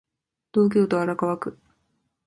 東京都荒川区